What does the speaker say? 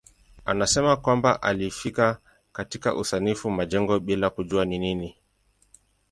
Anasema kwamba alifika katika usanifu majengo bila kujua ni nini.